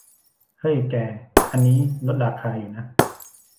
เฮ้ย แก อันนี้ลดราคาอยู่นะ